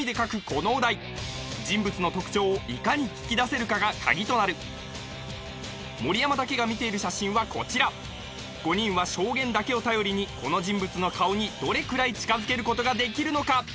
このお題人物の特徴をいかに聞き出せるかがカギとなる盛山だけが見ている写真はこちら５人は証言だけを頼りにこの人物の顔にどれくらい近づけることができるのか？